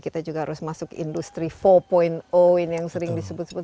kita juga harus masuk industri empat yang sering disebut sebut